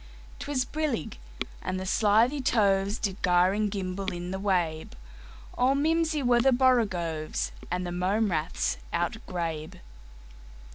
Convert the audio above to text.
'T was brillig, and the slithy tovesDid gyre and gimble in the wabe; All mimsy were the borogoves, And the mome raths outgrabe.